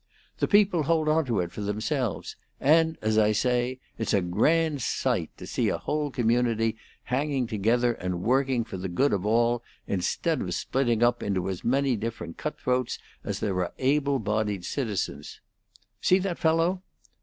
The people hold on to it for themselves, and, as I say, it's a grand sight to see a whole community hanging together and working for the good of all, instead of splitting up into as many different cut throats as there are able bodied citizens. See that fellow?"